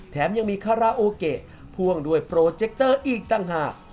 แถมยังมีคาราโอเกะพ่วงด้วยโปรเจคเตอร์อีกต่างหาก